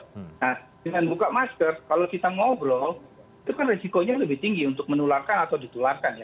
nah dengan buka masker kalau kita ngobrol itu kan risikonya lebih tinggi untuk menularkan atau ditularkan ya